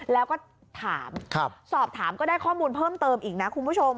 แล้วก็ถามสอบถามก็ได้ข้อมูลเพิ่มเติมอีกนะคุณผู้ชม